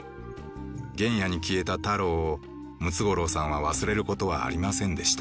原野に消えたタロウをムツゴロウさんは忘れることはありませんでした。